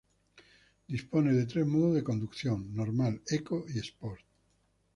Dispone de tres modos de conducción: Normal, Eco y Sport.